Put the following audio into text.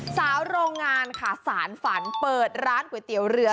โรงงานค่ะสารฝันเปิดร้านก๋วยเตี๋ยวเรือ